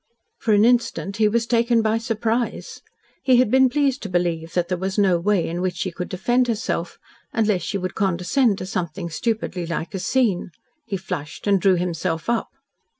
For an instant he was taken by surprise. He had been pleased to believe that there was no way in which she could defend herself, unless she would condescend to something stupidly like a scene. He flushed and drew himself up.